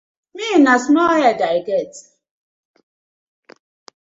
Mi na small head I get.